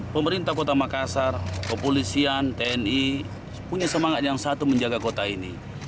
pemerintah kota makassar kepolisian tni punya semangat yang satu menjaga kota ini